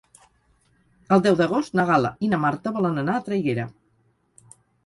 El deu d'agost na Gal·la i na Marta volen anar a Traiguera.